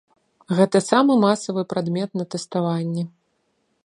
Гэта самы масавы прадмет на тэставанні.